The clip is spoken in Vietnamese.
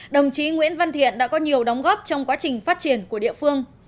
đồng chí nguyễn văn thiện đã có nhiều đóng góp trong quá trình phát triển của địa phương